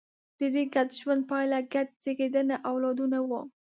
د دې ګډ ژوند پایله ګډ زېږنده اولادونه وو.